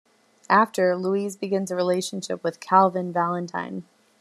After, Louise begins a relationship with Calvin Valentine.